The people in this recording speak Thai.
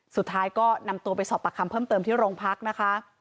สุดท้ายก็นำตัวไปสอบปากคำเพิ่มเติมที่โรงพักนะคะ